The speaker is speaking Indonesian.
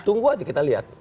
tunggu aja kita lihat